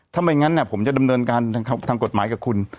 ถ้าไม่งั้นผมจะดำเนินการทางกฎหมายกับคุณ